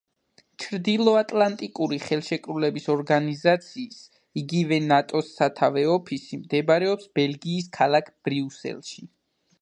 ჩრდილოატლანტიკური ხელშეკრულების ორგანიზაციის, იგივე ნატოს სათავო ოფისი მდებარეობს ბელგიის ქალაქ ბრიუსელში.